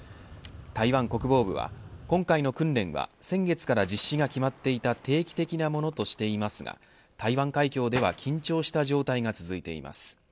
台湾国防部は今回の訓練は先月から実施が決まっていた定期的なものとしていますが台湾海峡では緊張した状態が続いています。